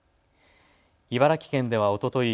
茨城県ではおととい